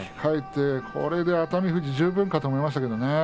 これで熱海富士は十分だと思いましたがね。